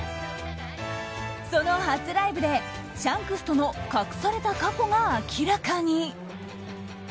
その初ライブでシャンクスとの隠された過去が明らかに。